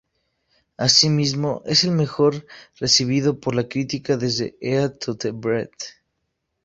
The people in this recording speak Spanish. Asimismo es el mejor recibido por la crítica desde "Eat to the Beat".